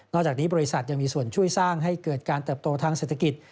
จากนี้บริษัทยังมีส่วนช่วยสร้างให้เกิดการเติบโตทางเศรษฐกิจ